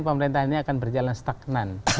pemerintah ini akan berjalan stagnan